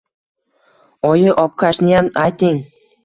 Oyi,. obkashniyam ayting.